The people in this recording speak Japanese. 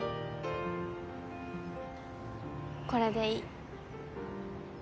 これでいい。